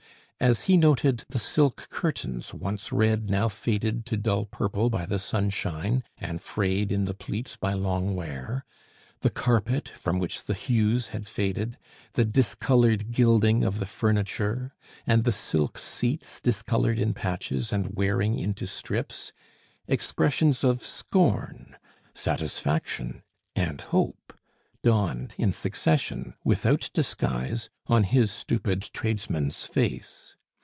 As he noted the silk curtains, once red, now faded to dull purple by the sunshine, and frayed in the pleats by long wear; the carpet, from which the hues had faded; the discolored gilding of the furniture; and the silk seats, discolored in patches, and wearing into strips expressions of scorn, satisfaction, and hope dawned in succession without disguise on his stupid tradesman's face.